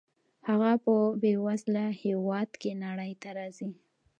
هغه په بې وزله هېواد کې نړۍ ته راځي.